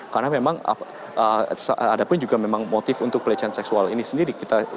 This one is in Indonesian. karena memang ada pun juga motif untuk pelecehan seksual ini sendiri